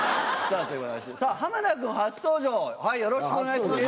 さぁ田君初登場よろしくお願いします。